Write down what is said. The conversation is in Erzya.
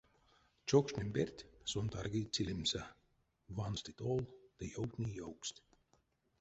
Чокшнень перть сон тарги цилимсэ, вансты тол ды ёвтни ёвкст.